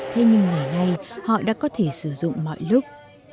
thế nhưng ngày nay họ đã có thể sử dụng mọi lúc